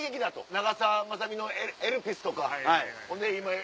長澤まさみの『エルピス』とかほんで今。